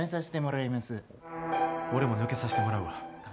俺も抜けさせてもらうわ。